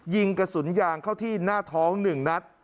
ยิงกระสุนยางเข้าที่หน้าท้อง๑นัด